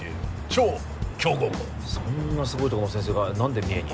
超強豪校そんなすごいとこの先生が何で三重に？